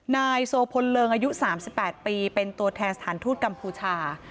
นายโซพลเริงอายุ๓๘ปีเป็นตัวแทนสถานทูตกัมพูชา